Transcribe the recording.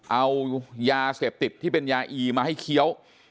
เอายาเสพติดที่เป็นยาอีมาให้เคี้ยว